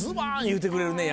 言うてくれるね。